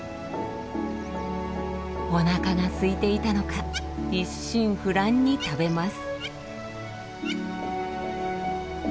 おなかがすいていたのか一心不乱に食べます。